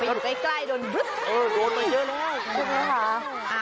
ไปอยู่ใกล้โดนบรึ๊ปพี่โดนมาเยอะร้อย